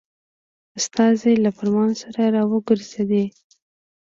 استازی له فرمان سره را وګرځېدی.